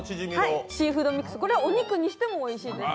シーフードミックスをお肉もしてもおいしいです。